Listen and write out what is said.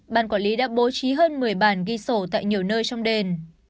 ban quản lý đã bố trí hơn một mươi bản ghi sổ tại nhiều nơi trong đền